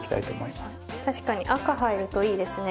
確かに赤入るといいですね。